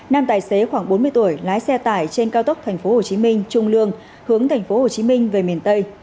nam tài xế khoảng bốn mươi tuổi lái xe tải trên cao tốc tp hcm trung lương hướng tp hcm về miền tây